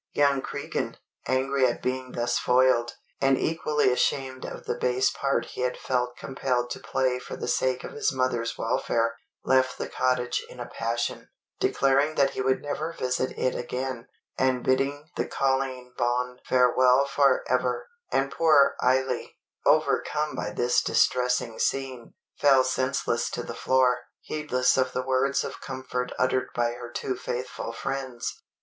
Young Cregan, angry at being thus foiled, and equally ashamed at the base part he had felt compelled to play for the sake of his mother's welfare, left the cottage in a passion, declaring that he would never visit it again, and bidding the Colleen Bawn farewell for ever; and poor Eily, overcome by this distressing scene, fell senseless to the floor, heedless of the words of comfort uttered by her two faithful friends.